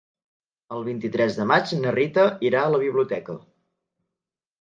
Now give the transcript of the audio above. El vint-i-tres de maig na Rita irà a la biblioteca.